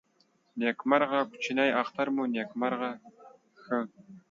نیکمرغه کوچني اختر مو نیکمرغه ښه.